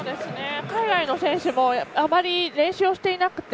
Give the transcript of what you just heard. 海外の選手もあまり練習をしていなくて。